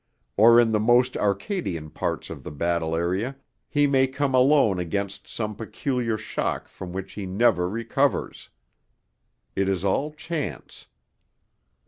Or in the most Arcadian parts of the battle area he may come alone against some peculiar shock from which he never recovers. It is all chance.